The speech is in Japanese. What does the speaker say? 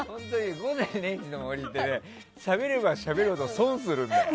「午前０時の森」ってしゃべればしゃべるほど損するんだよ。